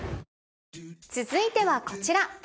続いてはこちら。